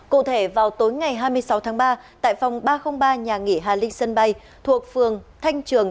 cụ thể vào tối ngày hai mươi sáu tháng ba tại phòng ba trăm linh ba nhà nghỉ hà linh sân bay thuộc phường thanh trường